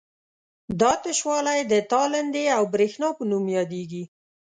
دا تشوالی د تالندې او برېښنا په نوم یادیږي.